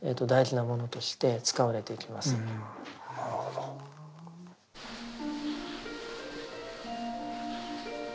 なるほど。